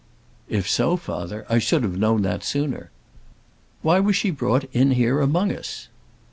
"If so, father, I should have known that sooner. Why was she brought in here among us?"